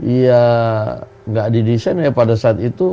ya nggak didesain ya pada saat itu